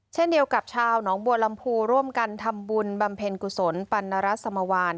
เช่นเดียวกับชาวหนองบัวลำพูร่วมกันทำบุญบำเพ็ญกุศลปัณรัฐสมวาน